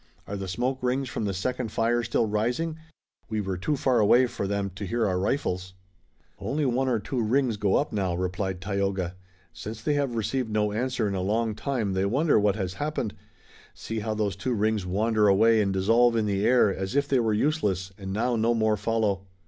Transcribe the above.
Are the smoke rings from the second fire still rising? We were too far away for them to hear our rifles." "Only one or two rings go up now," replied Tayoga. "Since they have received no answer in a long time they wonder what has happened. See how those two rings wander away and dissolve in the air, as if they were useless, and now no more follow."